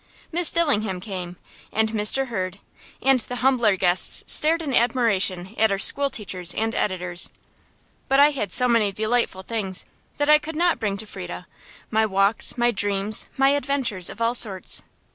Miss Dillingham came, and Mr. Hurd; and the humbler guests stared in admiration at our school teachers and editors. But I had so many delightful things that I could not bring to Frieda my walks, my dreams, my adventures of all sorts.